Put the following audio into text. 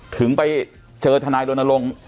ถึงไปเจอทนายรณรงค์